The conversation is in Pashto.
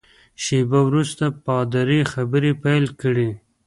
شېبه وروسته پادري خبرې پیل کړې.